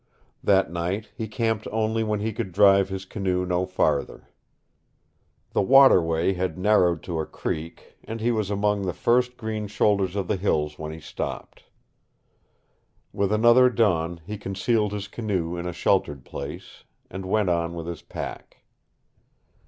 That night he camped only when he could drive his canoe no farther. The waterway had narrowed to a creek, and he was among the first green shoulders of the hills when he stopped. With another dawn he concealed his canoe in a sheltered place and went on with his pack.